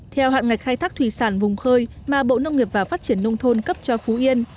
theo hạn ngạch khai thác thủy sản vùng khơi mà bộ nông nghiệp và phát triển nông thôn cấp cho phú yên